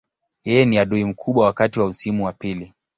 Yeye ni adui mkubwa wakati wa msimu wa pili.